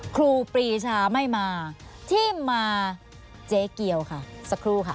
ครูปรีชาไม่มาที่มาเจ๊เกียวค่ะสักครู่ค่ะ